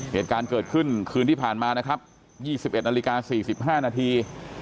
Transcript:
เหตุการณ์เกิดขึ้นคืนที่ผ่านมานะครับ๒๑นาฬิกา๔๕นาที